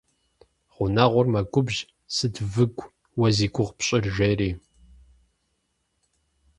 Гъунэгъур мэгубжь, сыт выгу уэ зи гугъу пщӀыр, жери.